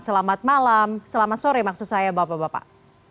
selamat malam selamat sore maksud saya bapak bapak